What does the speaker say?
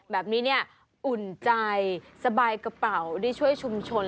แบบนี้เนี่ยอุ่นใจสบายกระเป๋าได้ช่วยชุมชน